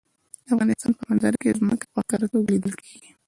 د افغانستان په منظره کې ځمکه په ښکاره توګه لیدل کېږي.